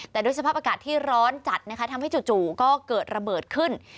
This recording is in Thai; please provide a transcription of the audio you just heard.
แต่ด้วยสภาพอากาศที่ร้อนจัดนะคะทำให้จู่ก็เกิดระเบิดขึ้น